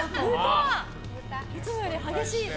いつもより激しいぞ。